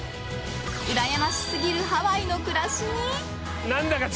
うらやましすぎるハワイの暮らしに。